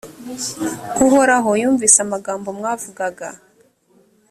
uhoraho yumvise amagambo mwavugaga